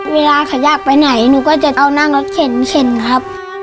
เวลาเขาอยากไปไหนหนูก็จะต้องนั่งรถเข็นเข็นครับ